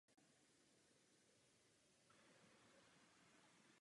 Jedná se o takzvané přetečení na zásobníku.